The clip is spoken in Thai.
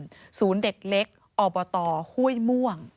แหย่มศูนย์เด็กเล็กอบตฮุ้ยม่วง